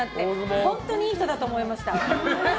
本当にいい人だと思いました。